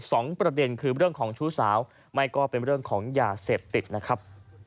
สองประเด็นคือเรื่องของชู้สาวไม่ก็เป็นเรื่องของยาเสพติดนะครับ